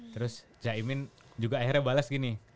terus cak imin juga akhirnya bales gini